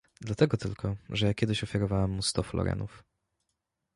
"Dlatego tylko, że ja kiedyś ofiarowałem mu sto florenów."